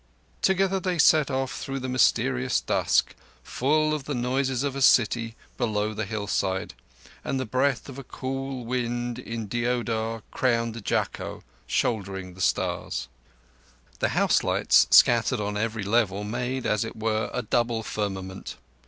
Together they set off through the mysterious dusk, full of the noises of a city below the hillside, and the breath of a cool wind in deodar crowned Jakko, shouldering the stars. The house lights, scattered on every level, made, as it were, a double firmament.